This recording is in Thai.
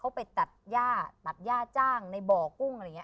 เขาไปตัดย่าตัดย่าจ้างในบ่อกุ้งอะไรอย่างนี้